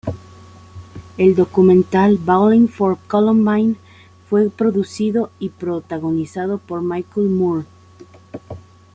El documental "Bowling for Columbine" fue producido y protagonizado por Michael Moore.